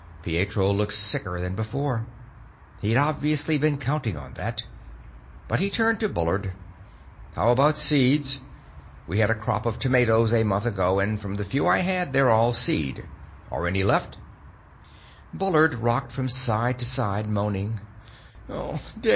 Pietro looked sicker than before. He'd obviously been counting on that. But he turned to Bullard. "How about seeds? We had a crop of tomatoes a month ago and from the few I had, they're all seed. Are any left?" Bullard rocked from side to side, moaning.